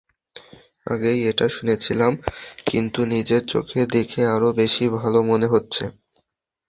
আগেই এটা শুনেছিলাম, কিন্তু নিজের চোখে দেখে আরও বেশি ভালো মনে হচ্ছে।